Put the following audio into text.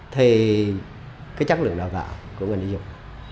thì cái chất lượng đào tạo của ngành đi dục